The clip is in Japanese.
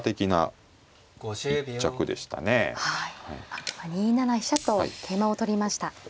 あっ２七飛車と桂馬を取りました。